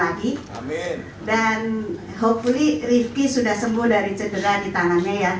dan semoga rifki sudah sembuh dari cedera di tangannya ya